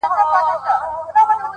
• ستا د خوبونو نازولي عطر ,